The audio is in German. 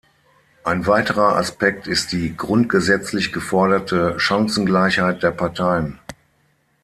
Ein weiterer Aspekt ist die grundgesetzlich geforderte Chancengleichheit der Parteien.